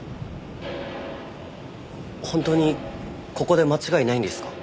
本当にここで間違いないんですか？